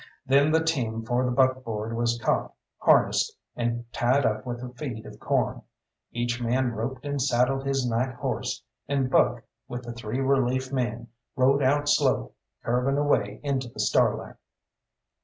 Then the team for the buckboard was caught, harnessed, and tied up with a feed of corn; each man roped and saddled his night horse; and Buck, with the three relief men, rode out slow, curving away into the starlight.